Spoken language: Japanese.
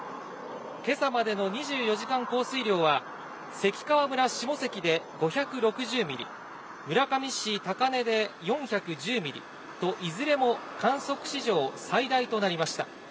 今朝までの２４時間降水量は関川村下関で５６０ミリ、村上市高根で４１０ミリといずれも観測史上最大となりました。